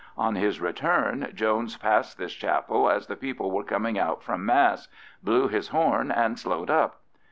On his return Jones passed this chapel as the people were coming out from Mass, blew his horn, and slowed up.